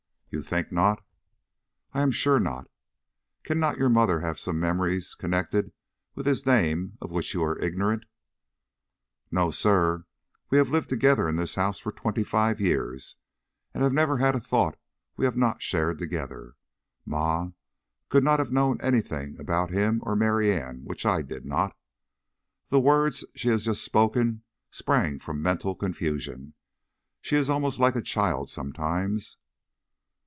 "You think not?" "I am sure not. Cannot your mother have some memories connected with his name of which you are ignorant?" "No, sir; we have lived together in this house for twenty five years, and have never had a thought we have not shared together. Ma could not have known any thing about him or Mary Ann which I did not. The words she has just spoken sprang from mental confusion. She is almost like a child sometimes."